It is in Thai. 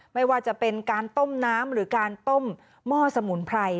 ไม่ว่าจะเป็นการต้มน้ำหรือการต้มหม้อสมุนไพร